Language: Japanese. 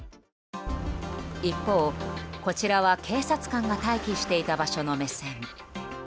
一方、こちらは警察官が待機していた場所の目線。